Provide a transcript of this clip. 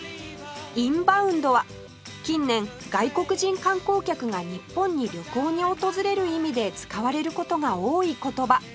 「インバウンド」は近年外国人観光客が日本に旅行に訪れる意味で使われる事が多い言葉